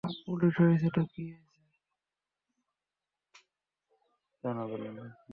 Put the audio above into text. Police হয়েছে তো কী হয়েছে?